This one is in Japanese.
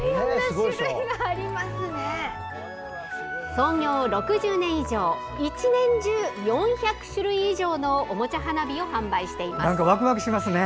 創業６０年以上１年中、４００種類以上のおもちゃ花火を販売しています。